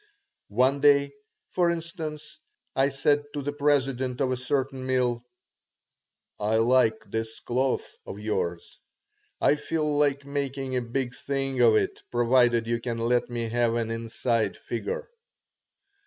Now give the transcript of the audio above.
One day, for instance, I said to the president of a certain mill: "I like this cloth of yours. I feel like making a big thing of it, provided you can let me have an inside figure."